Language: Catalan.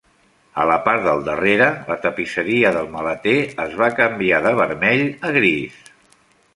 A la part del darrere, la tapisseria del maleter es va canviar de vermell a gris.